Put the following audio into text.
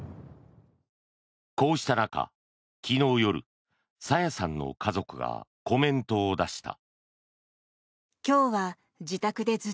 こうした中、昨日夜朝芽さんの家族がコメントを出した。